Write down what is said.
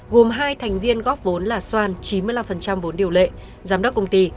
gồm hai thành viên góp vốn là xoan chín mươi năm vốn điều lệ giám đốc công ty